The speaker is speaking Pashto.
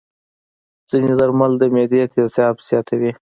ځینې درمل د معدې تیزاب زیاتوي.